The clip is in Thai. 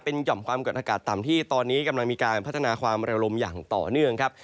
หย่อมความกดอากาศต่ำที่ตอนนี้กำลังมีการพัฒนาความเร็วลมอย่างต่อเนื่องครับ